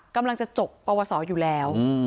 กำลังจะจบปวสออยู่แล้ว